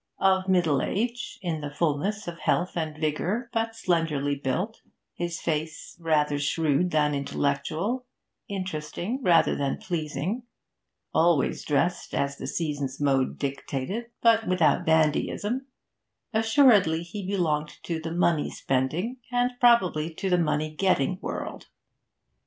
Of middle age, in the fullness of health and vigour, but slenderly built; his face rather shrewd than intellectual, interesting rather than pleasing; always dressed as the season's mode dictated, but without dandyism; assuredly he belonged to the money spending, and probably to the money getting, world.